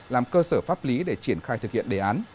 làm cơ sở pháp lý để triển khai thực hiện đề án